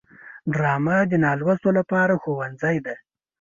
ډرامه د نالوستو لپاره ښوونځی دی